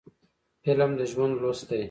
فلم د ژوند لوست دی